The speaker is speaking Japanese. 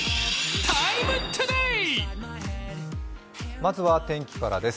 まずは天気からです。